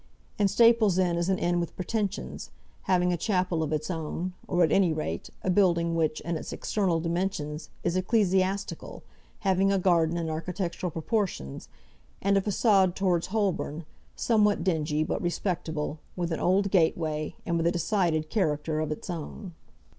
And Staples' Inn is an inn with pretensions, having a chapel of its own, or, at any rate, a building which, in its external dimensions, is ecclesiastical, having a garden and architectural proportions; and a façade towards Holborn, somewhat dingy, but respectable, with an old gateway, and with a decided character of its own.